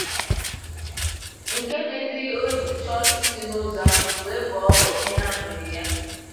nke mezịrị o ji chọọ isi n'ụzọ ahụ wee bọọ ọbọ ihe ha mere ya